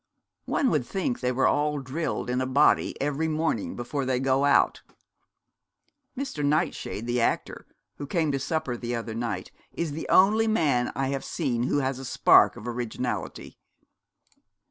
One would think they were all drilled in a body every morning before they go out. Mr. Nightshade, the actor, who came to supper the other night, is the only man I have seen who has a spark of originality.'